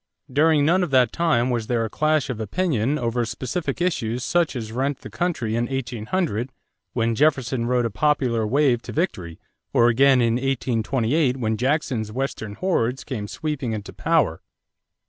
During none of that time was there a clash of opinion over specific issues such as rent the country in 1800 when Jefferson rode a popular wave to victory, or again in 1828 when Jackson's western hordes came sweeping into power.